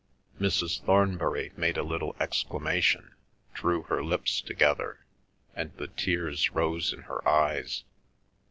Mrs. Thornbury made a little exclamation, drew her lips together, and the tears rose in her eyes.